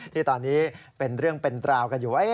ที่ตอนนี้เป็นเรื่องเป็นราวกันอยู่